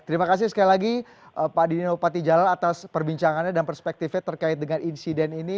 terima kasih sekali lagi pak dino patijala atas perbincangannya dan perspektifnya terkait dengan insiden ini